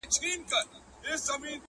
د سل سره اژدها په كور كي غم وو!!